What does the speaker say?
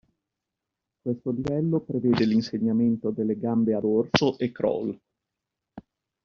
Questo livello prevede l'insegnamento delle gambe a dorso e crawl.